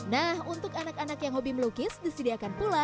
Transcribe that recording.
nah untuk anak anak yang hobi melukis disediakan pula